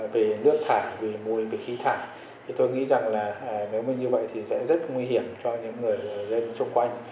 về nước thả về mùi về khí thả tôi nghĩ rằng nếu như vậy sẽ rất nguy hiểm cho những người dân xung quanh